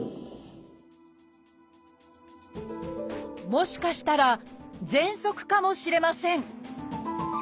もしかしたら「ぜんそく」かもしれません。